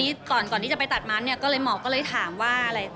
ทีนี้ก่อนก่อนที่จะไปตัดม้าเนี่ยก็เลยหมอก็เลยถามว่าอะไร